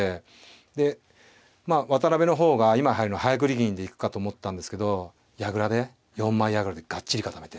でまあ渡辺の方が今はやりの早繰り銀で行くかと思ったんですけど矢倉で４枚矢倉でがっちり固めて。